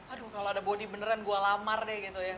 aduh kalau ada bodi beneran gua lamar deh gitu ya